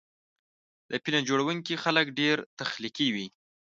د فلم جوړوونکي خلک ډېر تخلیقي وي.